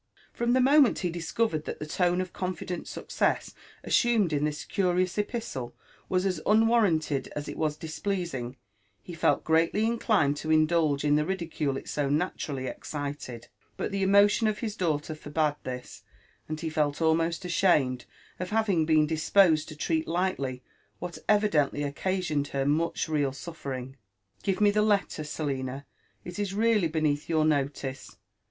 From the moment he discovered that the tone of confident success assumed in this curious epistle was as unwarranted as it was displeasing, he felt greatly inclined to indulge in the ridicule it so naturally excited ; but the emotion of his daughter forbad this, and he felt almost ashamed of having been disposed to^ treat lightly what evidently occasioned her much real suffering. Give me the letter, Selina, — it is really beneath your notice.